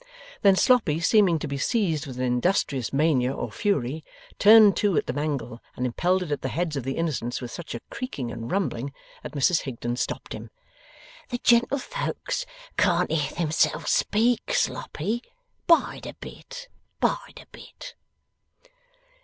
Then Sloppy seeming to be seized with an industrious mania or fury, turned to at the mangle, and impelled it at the heads of the innocents with such a creaking and rumbling, that Mrs Higden stopped him. 'The gentlefolks can't hear themselves speak, Sloppy. Bide a bit, bide a bit!